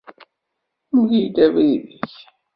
Mel-iyi abrid-ik.